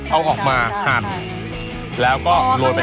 เอาออกมาหั่นแล้วก็โรนไปข้างหน้า